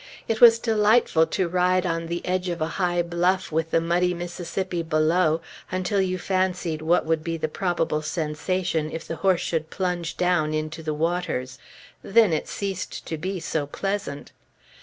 It was delightful to ride on the edge of a high bluff with the muddy Mississippi below, until you fancied what would be the probable sensation if the horse should plunge down into the waters; then it ceased to be so pleasant.